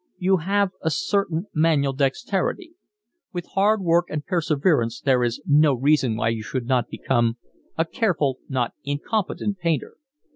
"You have a certain manual dexterity. With hard work and perseverance there is no reason why you should not become a careful, not incompetent painter.